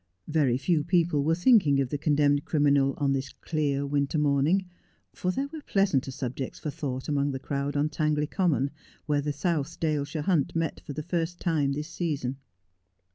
Very few people were thinking of the condemned criminal on this clear winter morning, for there were pleasanter subjects for thought amongst the crowd on Tangley Common, where the South Dale shire Hunt met for the first time this season.